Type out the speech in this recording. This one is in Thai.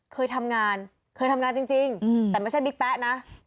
เคยทำงานเคยทำงานจริงแต่ไม่ใช่บิ๊กแป๊ะนะ